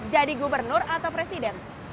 jadi gubernur atau presiden